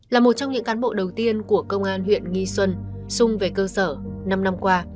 là một trong những cán bộ đầu tiên của công an huyện nghi xuân sung về cơ sở năm năm qua